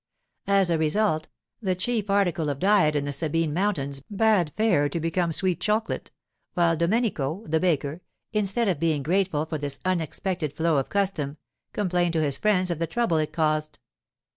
As a result, the chief article of diet in the Sabine mountains bade fair to become sweet chocolate; while Domenico, the baker, instead of being grateful for this unexpected flow of custom, complained to his friends of the trouble it caused.